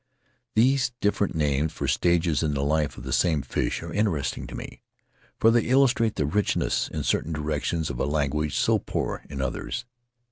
These different names for stages in the life of the same fish are interesting to me, for they illus trate the richness, in certain directions, of a language so poor in others.